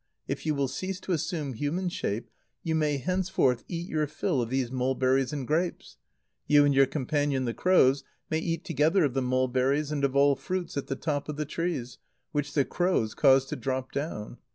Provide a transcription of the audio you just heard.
If you will cease to assume human shape, you may henceforth eat your fill of these mulberries and grapes. You and your companions the crows may eat together of the mulberries and of all fruits at the top of the trees, which the crows cause to drop down.